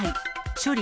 処理